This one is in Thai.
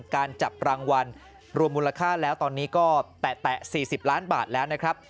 การจับรางวัลรวมมูลค่าแล้วตอนนี้ก็แตะ๔๐ล้านบาทแล้วนะครับ